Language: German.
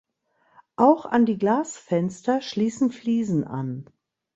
Auch an die Glasfenster schließen Fliesen an.